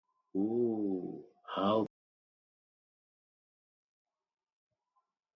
Oh, how they passed quickly.